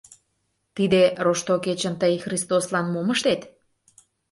Тиде Рошто кечын тый Христослан мом ыштет?